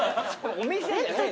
お店じゃない。